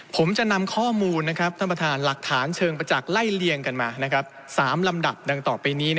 ผมจะนำข้อมูลท่านประธานหลักฐานเชิงประจักษ์ไล่เลี่ยงกันมา๓ลำดับดังต่อไปนี้